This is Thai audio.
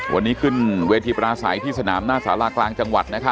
วันนี้ขึ้นเวทีปราศัยที่สนามหน้าสารากลางจังหวัด